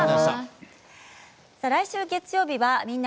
来週月曜日は「みんな！